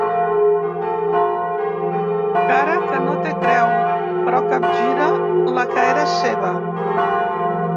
Cara que no té creu, però capgira la que era seva.